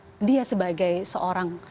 baik secara dia sebagai seorang pemerintah